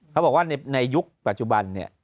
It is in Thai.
เขาบอกว่าในยุคปัจจุบัน